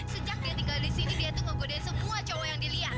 sejak dia tinggal di sini dia tuh ngegodain semua cowok yang dilihat